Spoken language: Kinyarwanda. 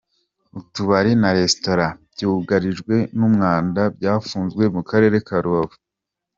Utubari na Resitora byugarijwe n’umwanda byafunzwe Mukarere Karubavu